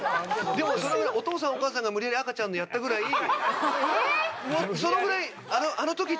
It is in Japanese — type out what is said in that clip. でもお父さんお母さんが無理やり赤ちゃんにやったぐらいそのぐらい。